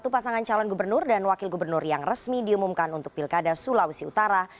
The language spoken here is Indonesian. satu pasangan calon gubernur dan wakil gubernur yang resmi diumumkan untuk pilkada sulawesi utara